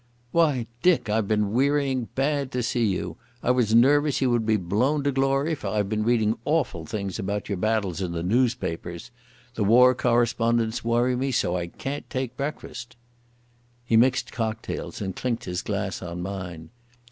"Why, Dick, I've been wearying bad to see you. I was nervous you would be blown to glory, for I've been reading awful things about your battles in the noospapers. The war correspondents worry me so I can't take breakfast." He mixed cocktails and clinked his glass on mine.